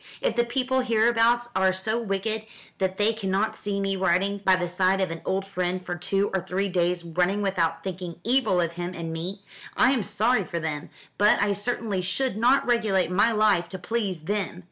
If the people hereabouts are so wicked that they cannot see me riding by the side of an old friend for two or three days running without thinking evil of him and me, I am sorry for them, but I certainly should not regulate my life to please them.